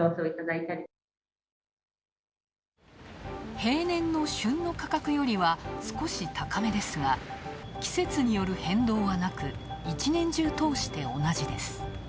平年の旬の価格よりは少し高めですが、季節による変動はなく、１年中通して同じです。